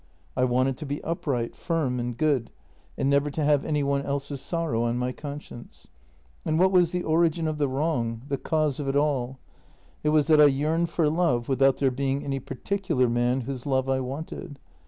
I wanted to be upright, firm, and good, and never to have any one else's sorrow on my conscience. And what was the origin of the wrong — the cause of it all? It was that I yearned for love without there being any particular man whose love I wanted.